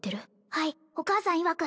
はいお母さんいわく